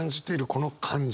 この感じ